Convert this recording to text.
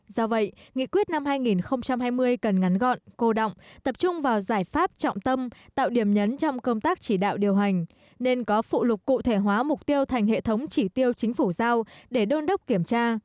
do vậy nghị quyết năm hai nghìn hai mươi cần ngắn gọn cô động tập trung vào giải pháp trọng tâm tạo điểm nhấn trong công tác chỉ đạo điều hành nên có phụ lục cụ thể hóa mục tiêu thành hệ thống chỉ tiêu chính phủ giao để đôn đốc kiểm tra